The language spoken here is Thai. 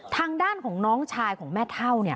ทางด้านของน้องชายของแม่เท่าเนี่ย